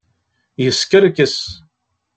Yeskerkes.